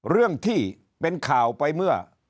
เรื่องที่เป็นข่าวไปเมื่อ